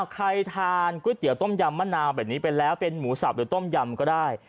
ใครทานก๋วยเตี๋ยวต้มยำมะนาวแบบนี้ไปแล้วเป็นหมูสับหรือต้มยำก็ได้